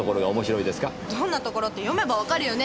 どんなところって読めばわかるよね？